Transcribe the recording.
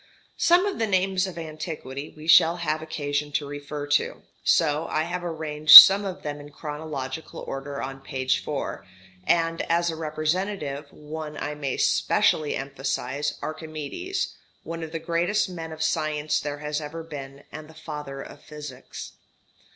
Some of the names of antiquity we shall have occasion to refer to; so I have arranged some of them in chronological order on page 4, and as a representative one I may specially emphasize Archimedes, one of the greatest men of science there has ever been, and the father of physics.